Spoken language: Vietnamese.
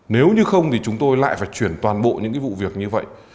nếu như không thì chúng tôi lại phải chuyển toàn bộ những cái vụ việc như vậy